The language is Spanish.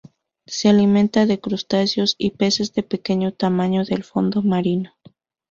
Se alimenta de crustáceos y peces de pequeño tamaño del fondo marino.